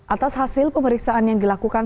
atas hasil pemeriksaan yang dilakukan